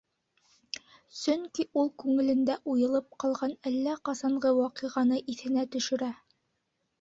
Сөнки ул күңелендә уйылып ҡалған әллә ҡасанғы ваҡиғаны иҫенә төшөрә.